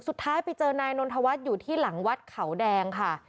สุดท้ายไปเจอนายนนทวัฒน์อยู่ที่หลังวัดเขาแดงค่ะ